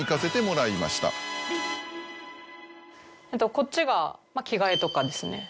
こっちが着替えとかですね。